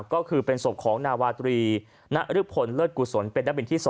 ก็คือเป็นศพของนาวาตรีนรึพลเลิศกุศลเป็นนักบินที่๒